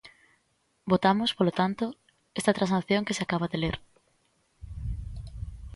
Votamos, polo tanto, esta transacción que se acaba de ler.